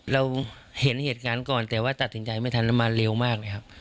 เราเห็นเหตุการณ์ก่อนแต่ว่าตัดสินใจไม่ทันแล้วมาเร็วมากเลยครับ